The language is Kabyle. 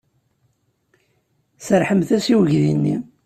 Serrḥemt-as i uydi-nni.